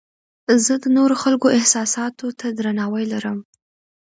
زه د نورو خلکو احساساتو ته درناوی لرم.